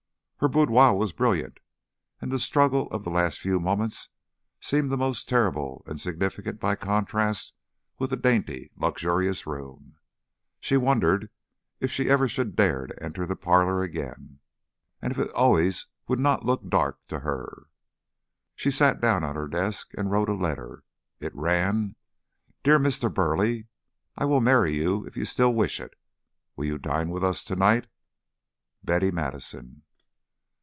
Her boudoir was brilliant, and the struggle of the last few moments seemed the more terrible and significant by contrast with the dainty luxurious room. She wondered if she ever should dare to enter the parlor again, and if it always would not look dark to her. She sat down at her desk and wrote a letter. It ran: Dear Mr. Burleigh, I will marry you if you still wish it. Will you dine with us to night? Betty Madison.